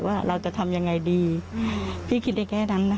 ว่าเราจะทำยังไงดีพี่คิดได้แค่นั้นนะ